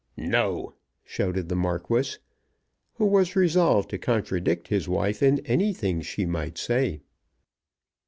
"No!" shouted the Marquis, who was resolved to contradict his wife in anything she might say.